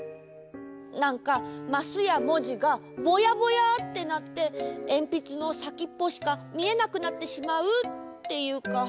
なんかマスやもじがぼやぼやってなってえんぴつのさきっぽしかみえなくなってしまうっていうか。